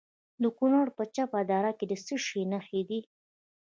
د کونړ په چپه دره کې د څه شي نښې دي؟